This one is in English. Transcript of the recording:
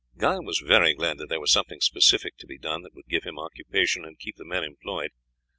Guy was very glad that there was something specific to be done that would give him occupation and keep the men employed.